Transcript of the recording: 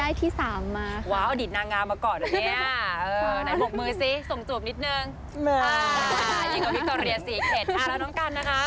อ่าแล้วน้องกันนะคะ